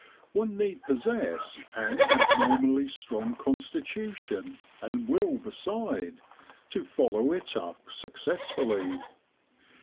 One need possess an abnormally strong constitution, and will beside, to follow it up successfully.